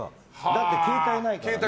だって携帯ないからね。